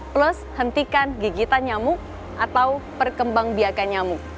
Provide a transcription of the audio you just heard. plus hentikan gigitan nyamuk atau perkembang biakan nyamuk